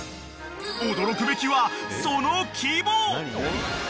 ［驚くべきはその規模］